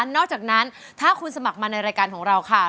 นอกจากนั้นถ้าคุณสมัครมาในรายการของเราค่ะ